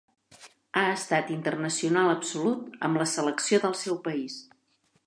Ha estat internacional absolut amb la selecció del seu país.